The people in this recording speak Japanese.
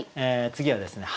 次はですね